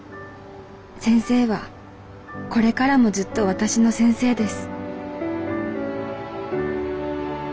先生はこれからもずっと私の先生です」。